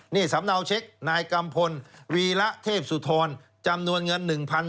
นี่สำเนาเช็คนายกัมพลวีระเทพสุธรจำนวนเงิน๑๐๐